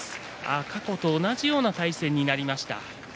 過去と同じような対戦になりました。